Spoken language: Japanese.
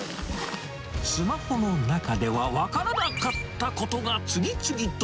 スマホの中では分からなかったことが次々と。